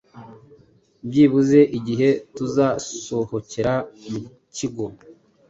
Byibuze igihe tuzasohokera mukigo